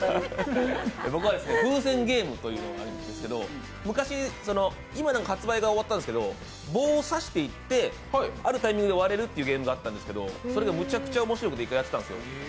僕は風船ゲームというのがあるんですけど、昔、今は発売が終わったんですけど棒を刺していって、あるタイミングで割れるってのがあるんですけどそれがむちゃくちゃおもしろくてやってたんですよ。